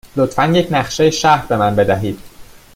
لطفاً یک نقشه شهر به من بدهید.